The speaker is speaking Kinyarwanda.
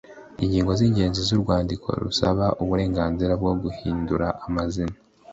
Ingingo z ingenzi z urwandiko rusaba uburenganzira bwo guhindura amazina